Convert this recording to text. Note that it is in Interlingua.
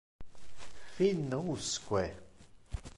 Fin usque?